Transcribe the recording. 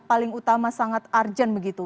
paling utama sangat urgent begitu